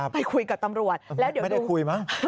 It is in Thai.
ไปคุยกับตำรวจ